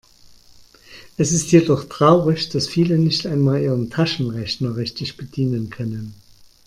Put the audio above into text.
Es ist jedoch traurig, dass viele nicht einmal ihren Taschenrechner richtig bedienen können.